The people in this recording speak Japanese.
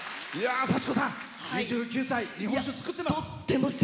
幸子さん２９歳、日本酒造ってます。